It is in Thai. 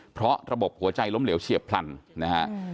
เพราะระบบหัวใจล้มเหลวเฉียบพลันนะฮะ